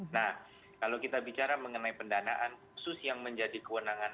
nah kalau kita bicara mengenai pendanaan khusus yang menjadi kewenangan